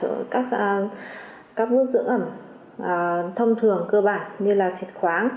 bước bảy đắp mặt nạ trị liệu